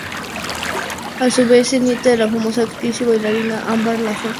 A su vez es nieta de la famosa actriz y bailarina Ámbar La Fox.